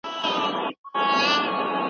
د استاد او شاګرد اړیکه باید دوستانه وي.